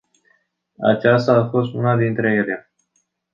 Aceasta a fost una dintre ele.